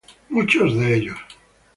Muchos de ellos".